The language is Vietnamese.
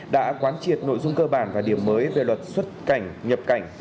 đã quán triệt nội dung cơ bản và điểm mới về luật xuất cảnh nhập cảnh